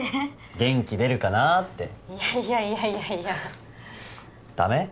元気出るかなーっていやいやいやいやいやダメ？